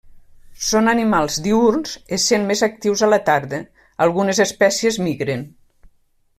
Són animals diürns essent més actius a la tarda, algunes espècies migren.